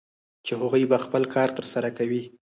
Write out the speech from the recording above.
چې هغوی به خپل کار ترسره کوي